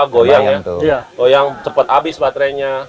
goyang cepet abis baterainya